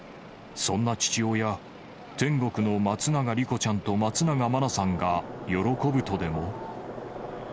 そんな父親、天国の松永莉子ちゃんと松永真菜さんが喜ぶとでも？